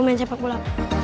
pemain sepak bola